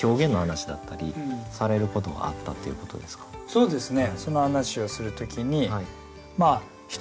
そうですね